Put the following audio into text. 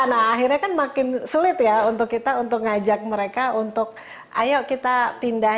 nah akhirnya kan makin sulit ya untuk kita untuk ngajak mereka untuk ayo kita pindah